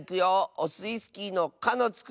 オスイスキーの「か」のつく